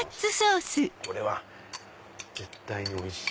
これは絶対においしい！